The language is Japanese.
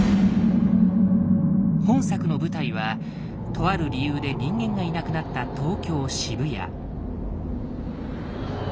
本作の舞台はとある理由で人間がいなくなった東京・渋谷。